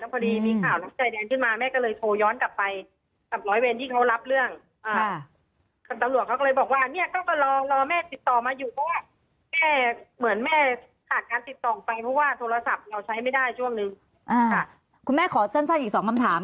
พอดีมีข่าวแลกใจแดงขึ้นมา